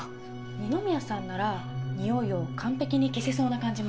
二宮さんならニオイを完璧に消せそうな感じも。